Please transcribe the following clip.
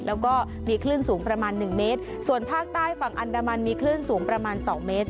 แล้วก็มีคลื่นสูงประมาณหนึ่งเมตรส่วนภาคใต้ฝั่งอันดามันมีคลื่นสูงประมาณสองเมตร